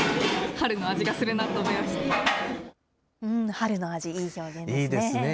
春の味、いいですね。